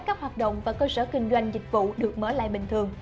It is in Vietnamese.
các hoạt động và cơ sở kinh doanh dịch vụ được mở lại bình thường